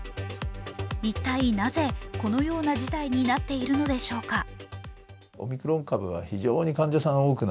一体なぜ、このような事態になっているのでしょうか。